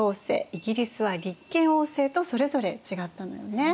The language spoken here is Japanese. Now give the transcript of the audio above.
イギリスは立憲王政とそれぞれ違ったのよね。